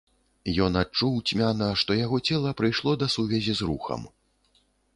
Ён адчуў цьмяна, што яго цела прыйшло да сувязі з рухам.